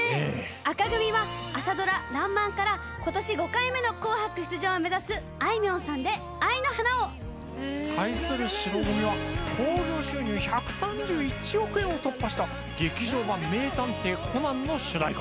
紅組は朝ドラ『らんまん』からことし５回目の『紅白』出場を目指すあいみょんさんで『愛の花』を。対する白組は興行収入１３１億円を突破した劇場版『名探偵コナン』の主題歌。